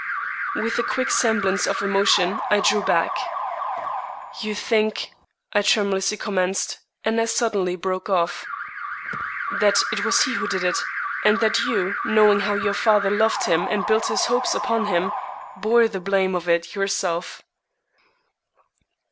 With a quick semblance of emotion, I drew back. "You think " I tremulously commenced, and as suddenly broke off. "That it was he who did it, and that you, knowing how your father loved him and built his hopes upon him, bore the blame of it yourself."